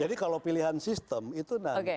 jadi kalau pilihan sistem itu nanti